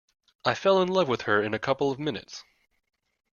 I fell in love with her in a couple of minutes.